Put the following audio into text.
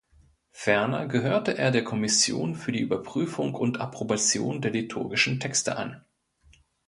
Ferner gehörte er der Kommission für die Überprüfung und Approbation der liturgischen Texte an.